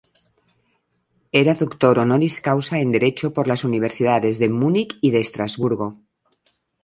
Era doctor honoris causa en derecho por las universidades de Múnich y de Estrasburgo.